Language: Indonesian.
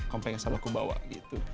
kampenya selalu aku bawa gitu